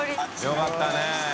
よかったね。